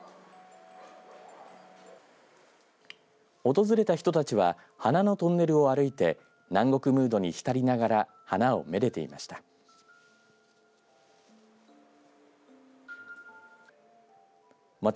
訪れた人たちは花のトンネルを歩いて南国ムードに浸りながら花をめでていました。